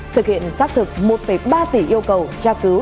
thực hiện xác thực một ba tỷ yêu cầu tra cứu